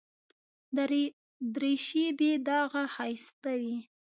دریشي بې داغه ښایسته وي.